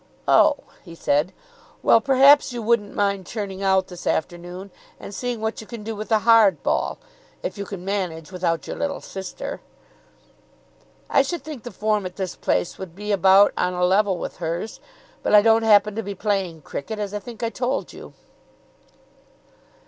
"Oh," he said. "Well, perhaps you wouldn't mind turning out this afternoon and seeing what you can do with a hard ball if you can manage without your little sister." "I should think the form at this place would be about on a level with hers. But I don't happen to be playing cricket, as I think I told you."